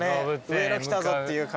上野来たぞっていう感じが。